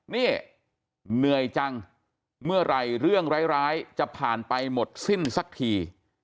นี่เหนื่อยจังเมื่อไหร่เรื่องร้ายจะผ่านไปหมดสิ้นสักที